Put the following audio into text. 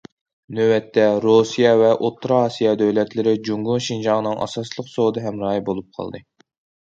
نۆۋەتتە، رۇسىيە ۋە ئوتتۇرا ئاسىيا دۆلەتلىرى جۇڭگو شىنجاڭنىڭ ئاساسلىق سودا ھەمراھى بولۇپ قالدى.